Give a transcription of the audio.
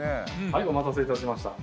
はいお待たせいたしました